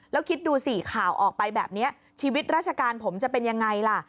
แล้วคิดดูสิข่าวออกไปแบบนี้ชีวิตราชการผมจะเป็นยังไงล่ะ